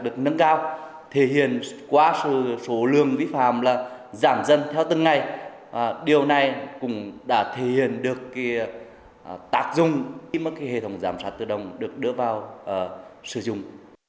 đã được nâng cao thể hiện qua số lương vi phạm là giảm dân theo từng ngày điều này cũng đã thể hiện được tác dung khi mức hệ thống giám sát tự động được đưa vào sử dụng